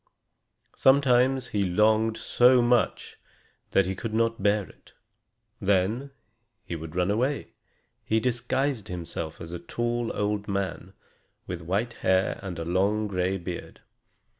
Sometimes he longed so much that he could not bear it. Then he would run away. He disguised himself as a tall old man, with white hair and a long gray beard.